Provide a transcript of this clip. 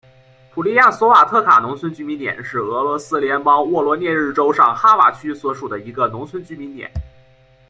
普利亚索瓦特卡农村居民点是俄罗斯联邦沃罗涅日州上哈瓦区所属的一个农村居民点。